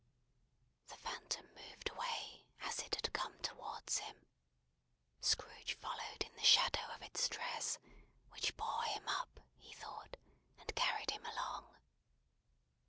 The Phantom moved away as it had come towards him. Scrooge followed in the shadow of its dress, which bore him up, he thought, and carried him along.